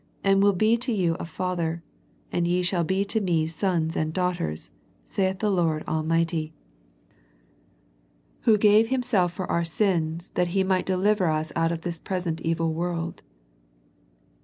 And will be to you a Father, And ye shall be to Me sons and daughters, saith the Lord Almighty. 132 A First Century Message " Who gave Himself for our sins, that He might deliver us out of this present evil v^^orld."